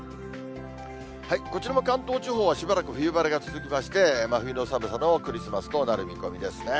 こちらも関東地方はしばらく冬晴れが続きまして、真冬の寒さのクリスマスとなる見込みですね。